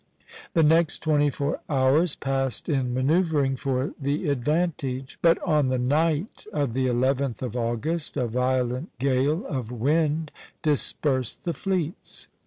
The next twenty four hours passed in manoeuvring for the advantage; but on the night of the 11th of August a violent gale of wind dispersed the fleets.